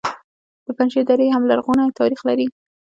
د پنجشیر درې هم لرغونی تاریخ لري